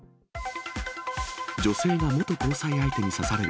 女性が元交際相手に刺される。